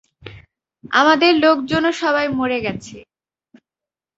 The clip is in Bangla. আমাদের লোকজনও সবাই মরে গেছে।